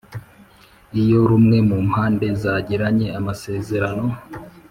Iyo rumwe mu mpande zagiranye amasezerano